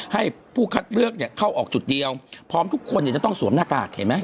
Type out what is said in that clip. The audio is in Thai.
ให้ผู้คัดเลือกเนี่ยเข้าออกจุดเดียวพร้อมทุกคนเนี่ยจะต้องสวมหน้ากากเห็นไหม